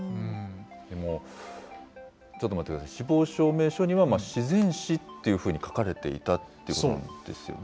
でも、ちょっと待ってください、死亡証明書には、自然死っていうふうに書かれていたってことなんですよね。